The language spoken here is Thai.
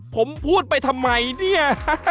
ผมพูดไปทำไมเนี่ย